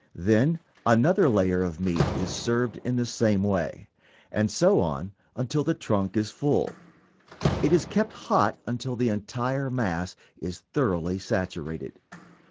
Then another layer of meat is served in the same way, and so on until the trunk is full. It is kept hot until the entire mass is thoroughly saturated.